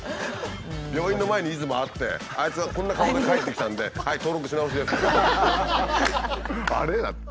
病院の前にいつもあって「あいつがこんな顔で帰ってきたんではい登録し直しです」って。